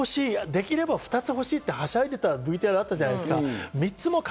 できれば２つ欲しいってはしゃいでたＶＴＲあったじゃないですか。